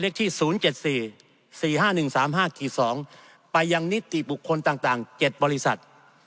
ที่๐๗๔๔๕๑๓๕๒ไปยังนิติบุคคลต่าง๗บริษัท